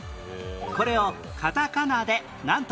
これをカタカナでなんという？